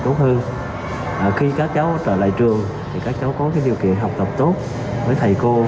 tốt hơn khi các cháu trở lại trường thì các cháu có điều kiện học tập tốt với thầy cô